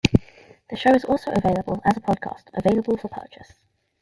The show is also available as a podcast, available for purchase.